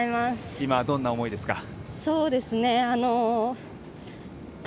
今、どんな思いですか？